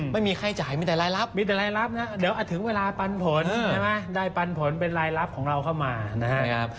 ไม่มีค่าจ่ายมีแต่รายรับมีแต่รายรับนะเดี๋ยวถึงเวลาปันผลใช่ไหมได้ปันผลเป็นรายรับของเราเข้ามานะครับ